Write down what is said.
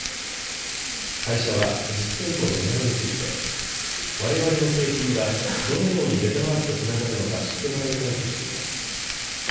会社は実店舗のねらいについてわれわれの製品がどのようにメタバースとつながるのか知ってもらいたいとしています。